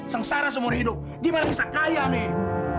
sengsara seumur hidup gimana bisa kaya nih